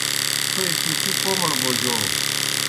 تھوئے پِڇِی کوْمَڑ بوجَو۔